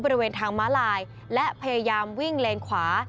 บริเวณทางม้าลายและพยายามวิ่งเลนขวา